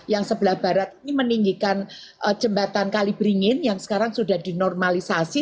yang sebelah barat ini meninggikan jembatan kalibringin yang sekarang sudah dinormalisasi